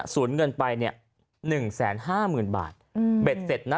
เงินไปเนี่ย๑๕๐๐๐บาทเบ็ดเสร็จนะ